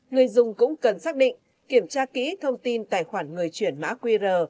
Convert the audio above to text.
người dùng cũng cần xác định kiểm tra kỹ thông tin tài khoản người chuyển mã qr